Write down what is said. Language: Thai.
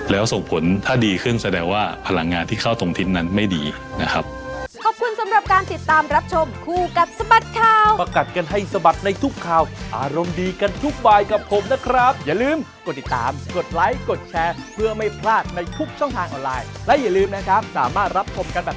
แล้วส่งผลถ้าดีขึ้นแสดงว่าพลังงานที่เข้าทรงถิ่นนั้นไม่ดีนะครับ